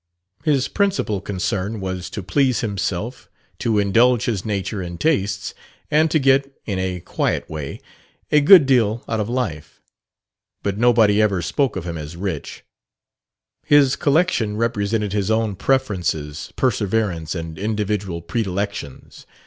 His principal concern was to please himself, to indulge his nature and tastes, and to get, in a quiet way, "a good deal out of life." But nobody ever spoke of him as rich. His collection represented his own preferences, perseverance and individual predilections.